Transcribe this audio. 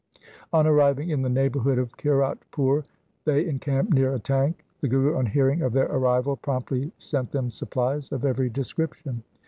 On arriving in the neighbourhood of Kiratpur they encamped near a tank. The Guru on hearing of their arrival promptly sent them supplies of every description.